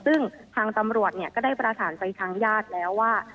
ซึ่งทางตำรวจก็ได้ประสานไปทางญาติแล้วว่า